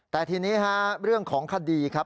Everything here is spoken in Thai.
แต่ทีนี้เรื่องของคดีครับ